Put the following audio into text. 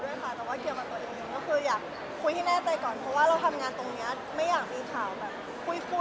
แต่ว่าจริงก็คือไม่ได้คุยกับใครเลย๒ปีก็โดย